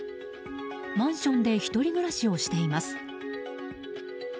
マンションで１人暮らしをしています。